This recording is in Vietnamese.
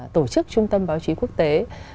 tổ chức trung tâm báo chí quốc tế